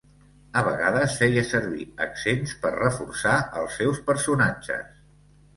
A vegades feia servir accents per reforçar els seus personatges.